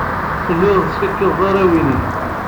Telliḍ teskikkiḍeḍ arraw-nnek.